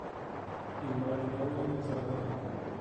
بیماریهای نوزادان